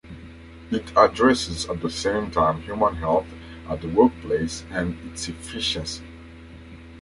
It addresses at the same time human health at the workplace and its efficiency.